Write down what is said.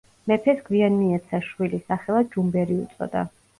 მეფეს გვიან მიეცა შვილი, სახელად ჯუმბერი უწოდა.